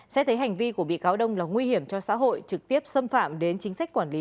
xét thấy hành vi của bị cáo đông là nguy hiểm cho xã hội trực tiếp xâm phạm đến chính sách quản lý